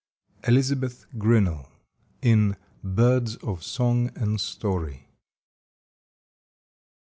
—Elizabeth Grinnell, in "Birds of Song and Story."